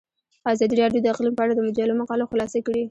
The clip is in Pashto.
ازادي راډیو د اقلیم په اړه د مجلو مقالو خلاصه کړې.